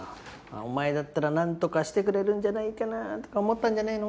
お前だったらなんとかしてくれるんじゃないかなとか思ったんじゃねえの？